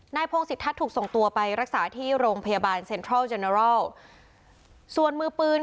พงศิษทัศน์ถูกส่งตัวไปรักษาที่โรงพยาบาลเซ็นทรัลเจเนอรอลส่วนมือปืน